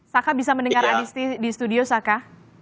saka bisa mendengar adisti di studio saka